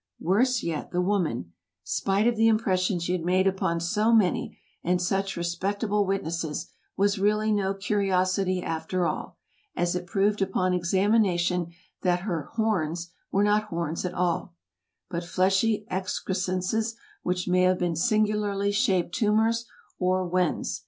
Worse yet, the woman, spite of the impression she had made upon so many and such respectable witnesses, was really no curiosity after all, as it proved upon examination, that her "horns" were not horns at all, but fleshy excrescences, which may have been singularly shaped tumors, or wens.